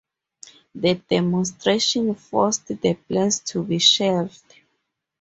The demonstrations forced the plans to be shelved.